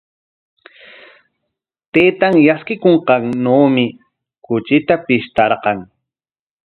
Taytan yatsikunqannawmi kuchita pishtarqan.